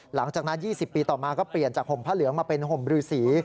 หลังจากนั้น๒๐ปีต่อมาก็เปลี่ยนจากห่มผ้าเหลืองมาเป็นห่มรือสี